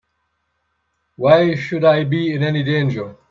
Why should I be in any danger?